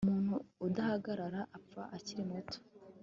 umuntu udahagarara, apfa akiri muto